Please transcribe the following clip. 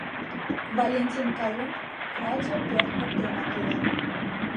Валентин Колумб радиопӧрт воктенак илен.